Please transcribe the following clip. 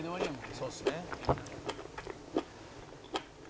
「そうですね」